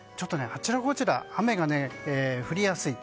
あちらこちらで雨が降りやすい。